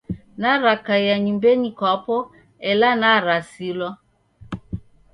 Narakaia nyumbenyi kwapo ela narasilwa.